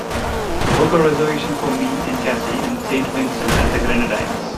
Book a reservation for me and cassie in Saint Vincent and the Grenadines